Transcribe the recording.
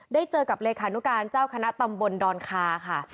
ได้เจอกับเลขานุการเจ้าคณะตำบลดอนคาค่ะ